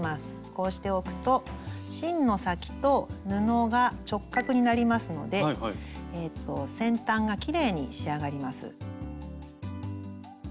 こうしておくと芯の先と布が直角になりますので先端がきれいに仕上がります。